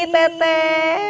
halo pagi teteh